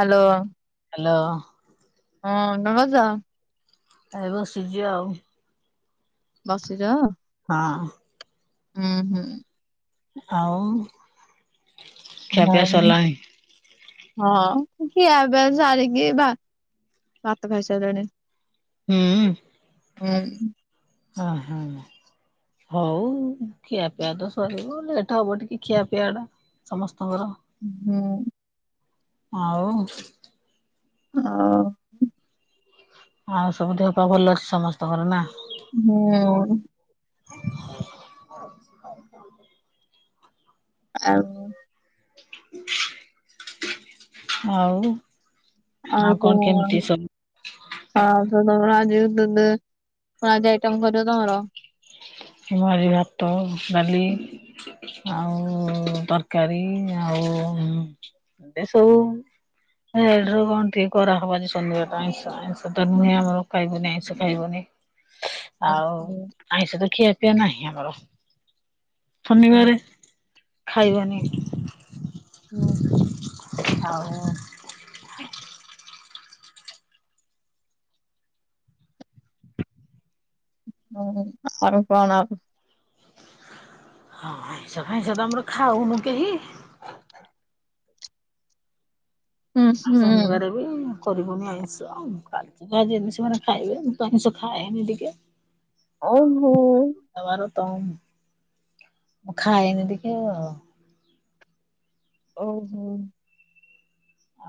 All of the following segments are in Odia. ହାଲୋ। ହ୍ୟାଲୋ। ହଁ କଣ କରୁଛ? ଏ ବସିଛି ଆଉ। ବସିଚ। ହଁ। ହୁଁ ହୁଁ। ଆଉ। ଖିଆପିଆ ନାଇ। ସରିଲାଣି ହଁ ଖିଆପିଆ ସାରିକି ଭାତ ଖାଇସାରିଲିଣି। ହୁଁ। ଓହ୍ନୁ। ଓହୋ। ହଉ ଖିଆପିଆ ତ ସରିବ ଲେଟ ହବ ଟିକେ ଖିଆ ପିଆଟା। ସମସ୍ତଙ୍କର। ହୁଁ। ଆଉ। ଅ ଆଉ ସବୁ ଦେହ ପା ଭଲ ଅଛି ସମସ୍ତଙ୍କର ନା। ହୁଁ। ଆଉ। ଆଉ। ଆଉ କଣ? ହଁ ତ ତମର ଆଜିିବ ଦୁଧ କଣ ଆଜି ଆଇଟମ କରିବ ତମର? ହବ ଆଜି ଭାତ ଡାଲି ଆଉ ତରକାରୀ ଆଉ ଏସବୁ। ସେଡୁ କଣ ଟିକେ କରାହବ ଆଜି ଶନିବାର ଆଇଁଷ ଆଇଁଷ ତ ନୁହେଁ ଆମର। ଖାଇବନି ଆଇସ ଖାଇବନି ଆଉ ଆଇସ ତ ଖିଆ ପିଆ ନାହିଁ ଆମର ଶନିବାର। ଖାଇବାନିି। ହୁଁ ହୁଁ। ଆଉ ହଁ ଆର କଣ? ହଁ ଆଇଁସ ଫାଇଁସ ତ ଆମର ଖାଉନୁ କେହି। ହୁଁ ଆ ହୁଁ ଶନିବାର ବି। କରିବୁନି ଆଇଁଷ ଆଉ ଆଜି ଯା ଯେମିତି ସେମାନେ ଖାଇବେ ମୁଁ ତ ଆଇଁଷ ଖାଏନି ଟିକେ। ଓହୋ। ଆମର ତ ମୁ ଖାଏନି ଟିକେ ଆଉ। ଓହୋ।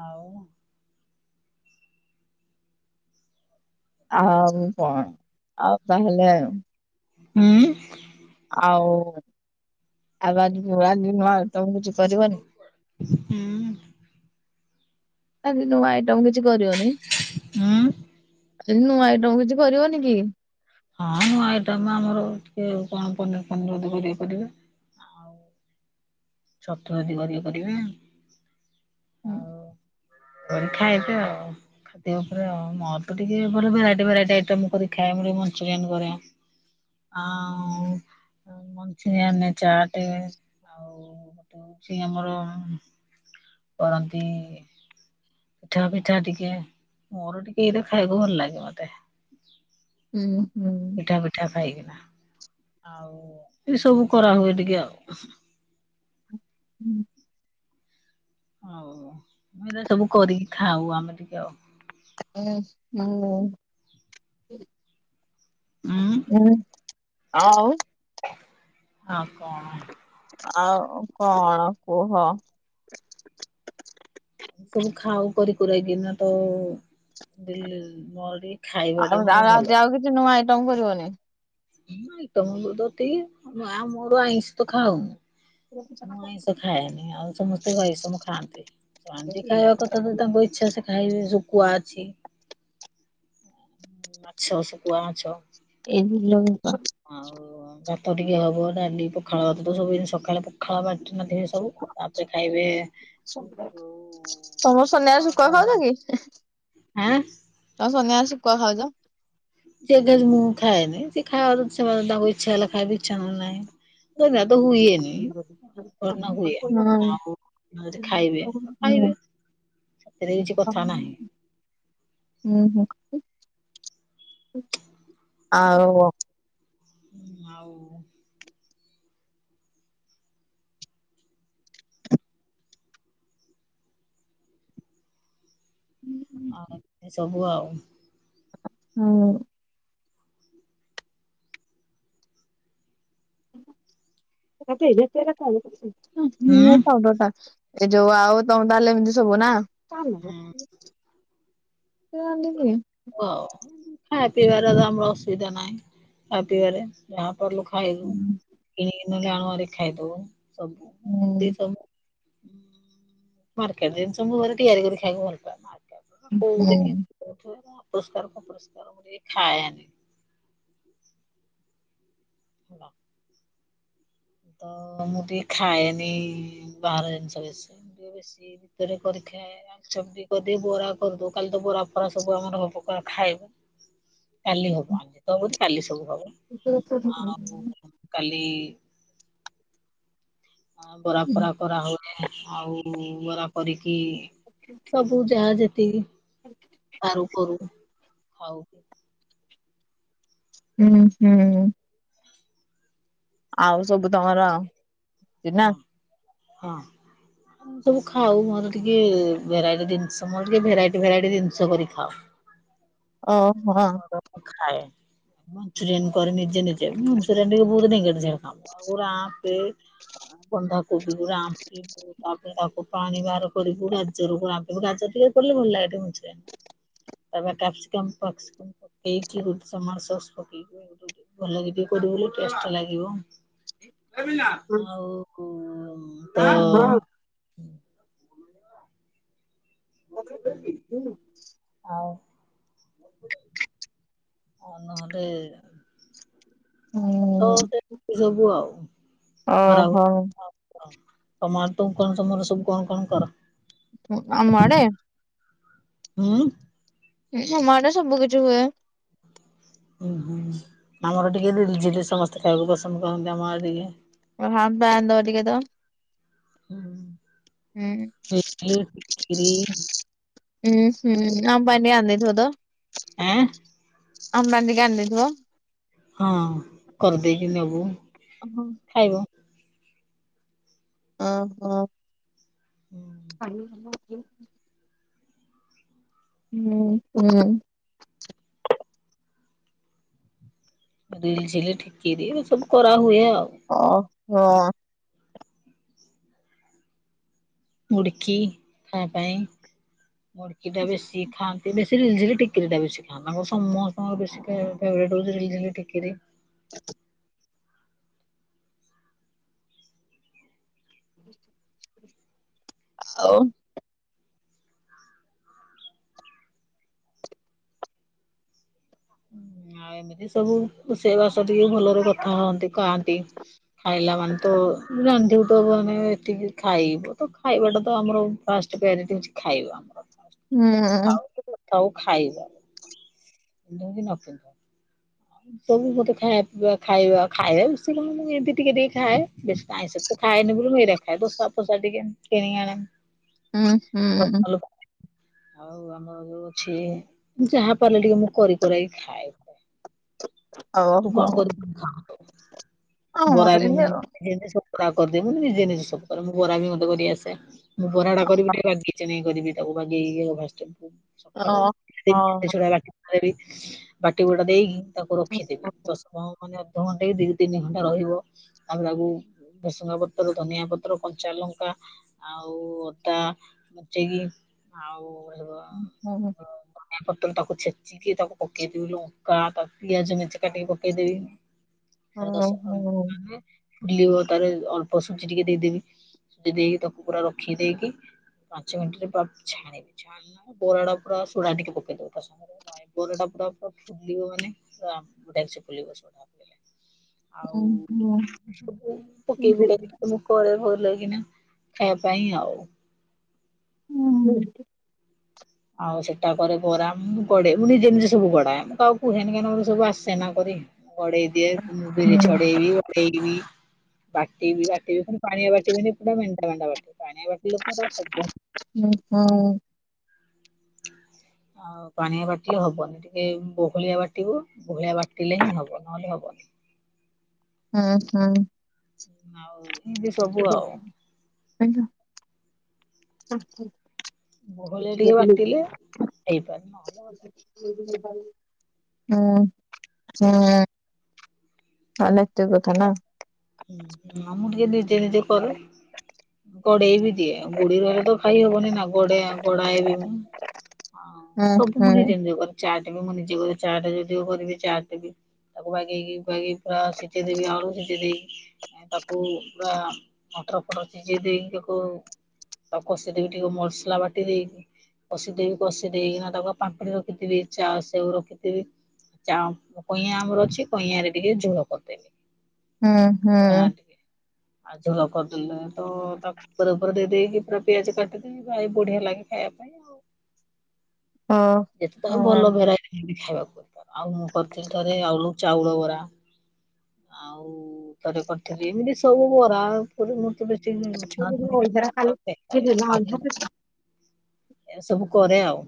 ଆଉ। ଆଉ କଣ ଆଉ ତାହେଲେ ହୁଁ। ଆଉ ଆଉ ବାକି କୌଭାଲିଆ ଦିନ ଆଜି ତମେ କିଛି କରିବନି। ହୁଁ ଆଜି ନୂଆ ଆଇଟମ କିଛି କରିବନି ହୁଁ ଆଜି ନୂଆ ଆଇଟମ କିଛି କରିବନି କି? ହଁ ନୁଆ ଆଇଟମ୍ ଆମର ଟିକେ କଣ ପନିର ଫନିର ଜଦି କରିବେ କରିବେ। ଛତୁୁ ଯଦି କରିବେ କରିବେ ହୁଁ ଆଉ କରି ଖାଇବେ ଆଉ। ଖାଦ୍ୟ ଉପରେ ଆଉ ମୋର ତ ଟିକେ ଭଲ ଭେରାଇଟି ଭେରାଇଟି ଆଇଟମ ଇପରେ ଖାଏ ମଞ୍ଚୁରିଆନ କରେ। ଆଉ ମଞ୍ଚୁରିୟନ ଚାଟ ଆଉ ସେ ଆମର କରନ୍ତି। ପିଠା ଫିଠା ଟିକେ ମୋର ଟିକେ ଏଇଟା ଖାଇବାକୁ ଭଲ ଲାଗେ ମତେ। [unintelligible] ପିଠା ଫୀଠା ଖାଇକିନା ଆଉ ଏସବୁ କରା ହୁଏ ଟିକେ ଆଉ। ହୁଁ ଆଉ ଆମେ ଏରାସବୁ କରିକି ଖାଉ ଆମେ ଟିକେ ଆଉ। ହୁଁ ଉଁ [inaudible] ହୁଁ। ଆଉ। [unintelligible] ଆଉ କଣ? ଆଉ କଣ କୁହ? ଏସବୁ ଖାଉ କରି କରିକୁରାକିନା ତ ଡେଲି ଆଉ ଆଉ ଆଜିଆଉ କିଛି ନୂଆ ଆଇଟମ କରିବନି? [unintelligible] ମାଆ ମୋର ଆଇଁଷ ତ ଖାଉନି। ମୁଁ ଆଁଇସ ଖାଏନି ଆଉ ସମସ୍ତେ ଏସବୁ ଖାଆନ୍ତି। ଚନ୍ଦିକା ତ ତାଙ୍କୁ ତାଙ୍କୁ ଇଛା ସେ ଖାଇବେ ଶୁଖୁଆ ଅଛି। ମାଛ ଶୁଖୁଆ ମାଛ ଏଇ ବିଲ ସୁଖୁଆ। ଆଉ ଭାତ ଟିକେ ହବ ଡାଲି ପଖାଳଭାତ ତ ସବୁଦିନ ସକାଳେ ପଖାଳ ବାଟି ନଥିବେ ସବୁ ତାପରେ ଖାଇବେ। ତମର ସନିବାରେ କଣ ତ ସୁଖୁଆ ଖାଉଛ କି? [unintelligible] କଁ ସନିବାରେ ଶୁକୁଆ ଖାଉଛ? ସେ ଦିଅନ୍ତି ମୁଁ ଖାଏନି ସେ ଖାଇବାକୁ ସେମାନେ ତାକୁ ଇଛା ହେଲେ ଖାଇବେ ଇଛା ନହେଲେ ନାହିଁ। ମୁଁ ତ ନେବାକୁ ହୁଏନି। ନା ହୁଏ ହୁଁ ଆଉ ଯଦି ଖାଇବେ ଖାଇବେ ହୁଁ। ସେଥିରେ କିଛି କଥା ନାହିଁ। [unintelligible] ହୁଁ ହଁ ଆଉ। ଆଉ। ହୁଁ। ଆଉ ଏ ସବୁ ଆଉ। ହୁଁ। ହୁଁ ପାଉଡରଟା ଏ ଯୋଉ ଆଉ ତମ ତାହେଲେ ଏମିତି ସବୁ ନା। କଁ ହୁଁ ରାନ୍ଧିବୁବେ? ଓ ଖାଇବା ପିଇବାରେ ତ ଆମର ଅସୁବିଧା ନାଇ ଖା ପିଇବାରେ। ଯାହା ପାଲୁ ଖାଇବୁ କିଣିକି ନହେଲେ ଆଣି ଖାଇଦଉ। ସବୁ ମାନେ ହୁଁ ଏତେ ସବୁ ମାର୍କେଟ ଜିନିଷ ମୁଁ ଘରେ ତିଆରି କରି ଖାଇବାକୁ ଭଲ ପାଏ ମାର୍କେଟ କୋଉଠି କେମତି ସେଠୁ ଅପରିଷ୍କାର ଫପରିଷ୍କାର ମୁଁ ଟିକ ଖାଏନି। ହାଲୋ। ତ ମୁଁ ଟିକେ ଖାଏନି ବାହାର ଜିନିଷ ବେଶୀ। ବେଶୀ ଭିତରେ କରିଥାଏ। ସବଜି କରିଦି ବରା କରିଦୁ କାଲି ତ ବରା ଫରା ସବୁ ଆମର ହକାର ଖାଇନି। କାଲି ହବ ଆଜି ତ ହବନି କାଲି ସବୁ ହବ ଆଉ କାଲି ହ ବରା ଫରା କରା ହଉନି ଆଉ ବରା କରିକି ଆଜ୍ଞା। ସବୁ ଯାହା ଯେତିକି ଆଉ କରୁନ ହଉ। ହୁଁ ହୁଁ। ଆଉ ସବୁ ତମର ଚିହ୍ନା ହଁ ହଁ। ସବୁ ଖାଉ ମୋର ଟିକେ ଭେରାଇଟି ଜିନିଷ ମୋର ଟିକେ ଭେରାଇଟି ଭେରାଇଟି ଜିନିଷ କରି ଖାଉ। ଓଃ ହଁ। ତ ଖାଏ। କରେ ନିଜେ ନିଜେ ମଞ୍ଚୁରିଆନ ଟିକେ ବହୁତ ନେଙ୍ଗେଡ ଝେଙ୍ଗେଡ କାମ। ତାକୁ ରାମ୍ପେ ବନ୍ଧାକୋବି କୁ ରାମ୍ପିବୁ ତା ତାକୁ ପାଣି ବାହାର କରିବୁ ଗାଜରକୁ ରାମ୍ପିବୁ ଗାଜର ଟିକେ ପଡିଲେ ଭଲ ଲାଗେ ଟିକେ ମାଞ୍ଚୁରିଆନ। ତା ପରେ କ୍ୟାପସିକମ୍ ଫ୍ୟାକ୍ସିକମ୍ ପକେଇକି ଗୋଟେ ଟମାଟୋ ସସ୍ ପକେଇକି ଭଲ ଯଦି କରିବ ବୋଲେ ଟେଷ୍ଟ ଲାଗିବ। ଆଉ କୋଉଁ ହଁ। ଆଉ ଆଉ ନହେଲେ। ତ ହୁଁ ସେମତି ସବୁ ଆଉ କରା ହୁ ଓହୋ ଆ ତମେ ଆଡ଼େ କଣ ତମର ସବୁ କଣ କଣ କର? ହୁଁ ଆମ ଆଡେ। ହୁଁ। ହୁଁ ଆମ ଆଡେ ସବୁ କିିଛି ହୁଏ। ଉୁଁ ହୁଁ ଆମର ଟିକେ ରିଲିଝିଲି ସମସ୍ତେ ଖାଇବାକୁ ପସନ୍ଦ କରନ୍ତି ଆମ ଆଡେ ଟିକେ। ଓଃହ ଆମ ପାଇଁ ଆଣି ଦେବ ଟିକେ ତ। ହୁଁ। ହୁଁ ଖିରି ଉଁ ହୁଁ। ଆମ ପାଇଁ ଟିକେ ଆଣି ଦେଇଥିବ ତ ଆଁ ଆମ ପାଇଁ ଟିକେ ଆଣିଦେଇଥିବ। ହଁ କରିଦେଇକି ନବୁ ଓହୋ ଖାଇବ। ଅଁ ହୋ। ଉଁ। କାଲି ନୁହଁ କି? ଉଁ ହୁଁ। ରିଲିଝିଲି ଠିକିରି ଏ ସବୁ କରାହୁଏ ଆଉ। ଓହୋ। ମୁଡକି ଖାଇଆ ପାଇଁ ମୁଡକି ଟା ବେଶି। ଖାଆନ୍ତି ବେଶି ରିଲିଝିଲିି ଠିକିରି ଟା ବେଶି ଖାଆନ୍ତି। ତାଙ୍କର ସମସ୍ତଙ୍କର ବେଶି ଖାଇଆ ଫେବରେଟ ହଉଚି ରିଲିଝିଲି ଠିକୀରି। [inaudible] [inaudible] ଆଉ ଉଁ ଆଉ ଏମତି ସବୁ ରୋଷେଇ ବାସ ଟିକେ ଭଲରେ କଥା ହଅନ୍ତି କହନ୍ତି। ଖାଇଲା ମାନେ ତ ରାନ୍ଧିବୁ ତ ଆମେ ଏତିକି ଖାଇବୁ ତ ଖାଇବା ଟା ତ ଆମର ଫାଷ୍ଟ ପାରୋଟି କିଛି ଖାଇବା। ଆମର। ଥାଉ କି ନଥାଉ ଖାଇବା ପିନ୍ଧକି ନ ପିନ୍ଧ। ସବୁ ମତେ ଖାଇବା ପିଇବା ଖାଇବା ଖାଏ ବେଶି ନ ହେଲେ ମୁଁ ଏମିତି ଟିକେ ଟିକିଏ ଖାଏ। ବେଶି ଆଇଁଷ ତ ଖାଏନି ବୋଲି ମୁଁ ଏରା ଖାଏ। ଦୋସା ଫୋସା ଟିକେ କିଣି ଆଣେ। ଉଁ ହୁ‍ଁ। ଆଉ ଆମର ଯୋଉ ଅଛି ଯାହା ପାରିଲେ ଟିକେ ମୁଁ କରି କୁରାଇ ଖାଏ। ତୁ କଣ କରିକିରି ଖାଉ। ବରା ବି ଯେଏନ୍ତି [unintelligible] କରିଦିଏ। ମୁଁ ନିଜେ ନିଜେ ସବୁ କରେ ମୁଁ ବରା ବି ମତେ କରି ଆସେ। ମୁଁ ବରା ଟା କରିବି ଟିକେ ବାଗେଇ ଚେନେଇ କରିବି ତାକୁ ବାଗେଇକି ଫାଷ୍ଟ ତାକୁ ସକାଳୁ [inaudible] ଜିନିଷ ବାଟି [inaudible] ବାଟି ବୁଟା ଦେଇକି ତାକୁ ର ଖିଦେବି ଦଶ [unintelligible] ମାନେ ଅଧଘଣ୍ଟା କି ଦି ତିନି ଘଣ୍ଟା ରହିବ। ଆଉ ତାକୁ ଭେସୁଙ୍ଗାପତ୍ର, ଧନିଆପତ୍ର, କଞ୍ଚାଲଙ୍କା ଆଉ ଅଦା ବଚେଇକି ଆଉ ଧନିଆପତ୍ର ତାକୁ ଛେଚିକି ତାକୁ ପକେଇଦବି ଲଙ୍କା ତାକୁ ପିଆଜ ମେଞ୍ଚେ କାଟିକି ପକେଇଦେବି। [unintelligible] ଫୁଲିବ ତାର ଅଳ୍ପ ସୁଜି ଟିକେ ଦେଇଦେବି। ଦେଇକି ତାକୁ ପୁରା ରଖିଦେଇକି ପାଞ୍ଚ ମିନିଟରେ ପୁରା ଛାଣିବି। ଆଉ ବୋରାଡା ପୁରା ଶୋଢା ଟିକେ ପକେଇଦବ ତା ସାଙ୍ଗରେ। [unintelligible] ଫୁଲିବ ମାନେ [unintelligible] ସୋଢା ପକେଇଲେ। ଆଉ ସବୁ ପକେଇ [unintelligible] ପଳେ ଭଲ କିନା ଖାଇବା ପାଇଁ ଆଉ। ହୁଁ। ଆଉ ସେଟା କରେ ଫରା ମୁଁ ବଡେ ମୁଁ ନିଜେ ନିଜେ ସବୁ ବଡାଏ ମୁଁ କାହା କୁହେନି କାହିଁକି ନା ସବୁ ଆସେନା କରି। ଗଢେଇ ଦିଏ ମୁଁ ବିରି ଛଡେଇବି‌ [unintelligible] ବାଟିବି ବାଟିିବି ମୁଁ ପାଣିରେ ବାଟି ବିନି ପୁରା ମେଣ୍ଟା ମେଣ୍ଟା ବାଟିିବି। ହୁ। ଆଉ କ ପାଣିଆ ବାଟିଲେ ହବନି ଟିକେ ବହଳିଆ ବାଟିବ ବହଳିଆ ବାଟିଲେ ହିଁ ହବ ନହେଲେ ହବନି। ଉଁ ହୁ‍ଁ। ଆଉ [unintelligible] [unintelligible] ବହଳିଆ ଟିକେ ବାଟିଲେ ହେଇପାରେ ନହେଲେ [unintelligible] ହୁଁ ହୁଁ। ତାହେଲେ ଏତେ କଥା ନା? ହଁ ନାଁ ମୁଁ ଟିକେ ନିଜେ ନିଜେ କରେ। କଡେଇ ବି ଦିଏ ଗୁଡି ରହିଲେ ତ ଖାଇ ହବନି ନା। ଗୋଡେ ଗୋଡାଏ ବି ମୁଁ ଆଉ ସବୁ ମୁଁ ନିଜେ ନିଜେ କରେ। ଚା ଟା ବି ମୁଁ ନିଜେ [unintelligible] ଚା ଟା ଯଦି କରିବି ଚାହା ଦେବି। ତାକୁ ବାଗେଇକିି [unintelligible] ପୁରା ସିଝେଇ ଦେବି ଆଳୁ ସିିଝେଇ ଦେଇକି ତାକୁ ପୁରା ମଟରଫଟର ସିଝେଇ ଦେଇ ତାକୁ ତା କଷି ଦେବି ଟିକେ ମସଲା ବାଟି ଦେଇ କଷି ଦେବି କଷି ଦେଇେକିନା ତାକୁ ପାମ୍ପୁଡି ରଖିଥିବି ଚା ସେଉ ରଖିଥିବି‌। ଚାଉଁ କ କଇଁଆ ଆମର ଅଛି କଇଁଆରେ ଟିକେ ଝୋଳ କରିଦେବି। ହୁଁ। କଇଁଆ ଟିକେ ଆଉ ଝୁଳ କରିଦେଲେ ତ ତାକୁ ଉପରେ ଉପରେ ଦେଇ ଦେଇକି ପୁରା ପିଆଜ କାଟି କି [unintelligible] ବଢିଆ ଲାଗେ ଖାଇବା ପାଇଁ। କେତେ ଆଉ ଭଲ ଭେରାଇ ଖାଇବାକୁ ଆଉ ମୁଁ କରିଥିଲି ଥରେ ଆଉ ଚାଉଳ ବରା ଆଉ ଥରେ କରିଥିଲି। ଏମିତି ସବୁ ବରା ପୁରୀ ମୂର୍ତି ପ୍ରାପଣ [unintelligible] ଏ ସବୁ କରେ ଆଉ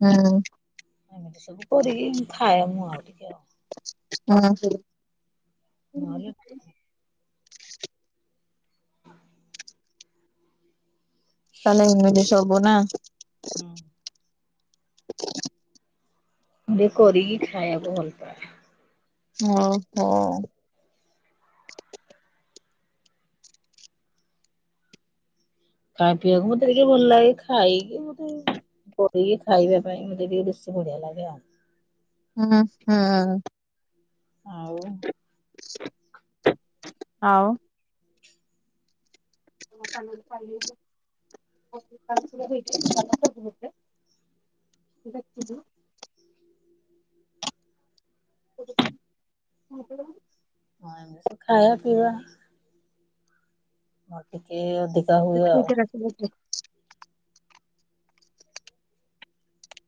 ହୁଁ ହୁଁ। ଏମିତି ସବୁ କରିକି ଖାଏ ମୁଁ ଆଉ ଟିକେ ଆଉ ହୁଁ। ନ ଏଲେ ତାହେଲେ ଏଇମ ସବୁ ନା ହଁ। ଏ କରିକି ଖାଇବାକୁ ଭଲ ପାଏ। [unintelligible] ଓହୋ। ଚ଼ା ପିଇବାକୁ ମତେ ଟିକେ ଭଲ ଲାଗେ, ଖାଇ ପୋଡିକି ଖାଇବା ପାଇଁ ମୋତେ ଟିକେ ବଢିଆ ଲାଗେ ଆଉ। ହୁଁ ହଁ। ଆଉ ଆଉ [unintelligible] [unintelligible] [unintelligible] ହଁ ଖାଇବା ପିଇବା ମୁଁ ଟିକେ ଦେଖ [unintelligible]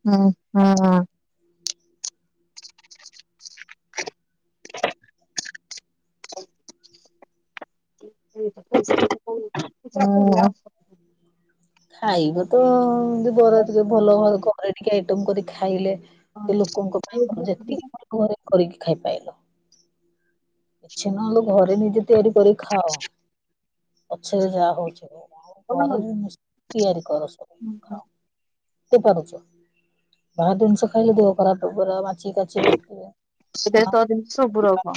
ହୁଁ ହୁଁ ହୁଁ [unintelligible] [unintelligible] ଖାଇବା ତ ଏମ ବରା ଟିକେ ଭଲ ଭ ଘରେ ଟିକେ ଆଇଟମ କରି ଖାଇଲେ ସେ ଲୋକଙ୍କ ପାଇଁ ଯେତିକି ଘରେ କରିକି ଖାଇପାଇଲ କିଛି ନହେଲେ ଘରେ ନିଜେ ତିଆରି କରିକି ଖାଅ ପଛରେ ଯାହା ହଉଛି ହଉ ଘର ଜିନିଷ ତିଆରି କର [inaudible] କେ ପାରୁଛୁ ବାହାର ଜିନିଷ ଖାଇଲେ ଦେହ ଖରାପ ହେବ [unintelligible] ସବୁ ରଖ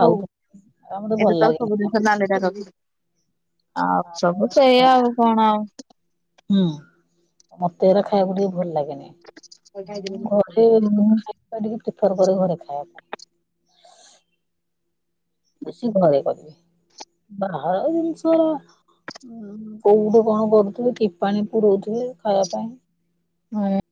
ହଉ ଏରା ମତେ ଭଲ ଏବେ ତ ଲାଗେନି ସବୁ ଜିନିଷ ଖାଇବାକୁ। ନାଲେଖା କରିଦେଇଛି ଆଉ ସବୁ ସେଇଆ ଆଉ କଣ ଆଉ ହୁଁ ମୋତେ ଏରା ଖାଇବାକୁ ଟିକେ ଭଲ ଲାଗେନି ହୁଁ [unintelligible] ଖାଇବା ପାଇଁ ସେ ଘରେ କରିବେ ବାହାର ଜିନିଷ ହୁଁ କୋଉଠୁ କଣ କରୁଥିବେ କିପାଣି ପୁରଉଥିବେ ଖାଇବା ପାଇଁ ହଁ